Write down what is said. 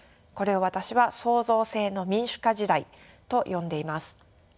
これを私は創造性の民主化時代と呼んでいます。